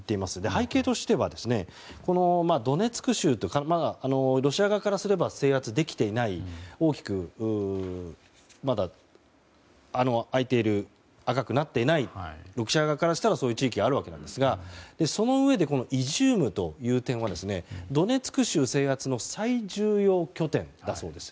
背景としては、ドネツク州はまだ、ロシア側からすれば制圧できていないまだ赤くなっていないロシア側からしたらそういう地域ですがそのうえでイジュームというのはドネツク州制圧の最重要拠点だそうです。